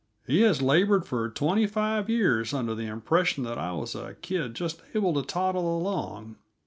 "He has labored for twenty five years under the impression that I was a kid just able to toddle alone.